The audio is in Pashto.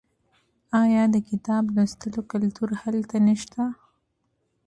آیا د کتاب لوستلو کلتور هلته نشته؟